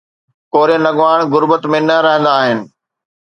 Korean اڳواڻ غربت ۾ نه رهندا آهن.